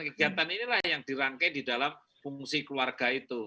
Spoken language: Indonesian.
kegiatan inilah yang dirangkai di dalam fungsi keluarga itu